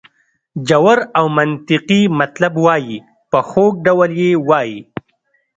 ژور او منطقي مطلب وایي په خوږ ډول یې وایي.